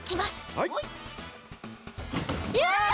はいった！